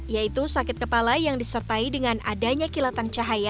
yaitu sakit kepala yang disertai dengan adanya kilatan cahaya